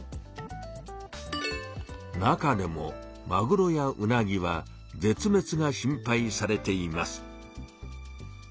中でもマグロやウナギはぜつめつが心配されています。